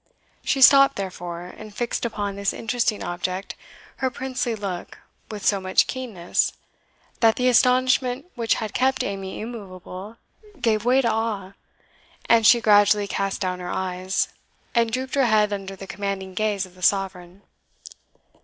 She stopped, therefore, and fixed upon this interesting object her princely look with so much keenness that the astonishment which had kept Amy immovable gave way to awe, and she gradually cast down her eyes, and drooped her head under the commanding gaze of the Sovereign.